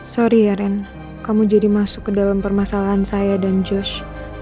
sorry ya ren kamu jadi masuk ke dalam permasalahan saya dan josh